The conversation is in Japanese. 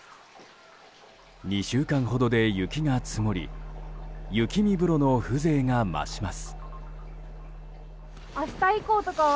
２週間ほどで雪が積もり雪見風呂の風情が増します。